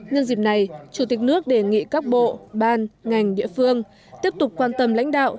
nhân dịp này chủ tịch nước đề nghị các bộ ban ngành địa phương tiếp tục quan tâm lãnh đạo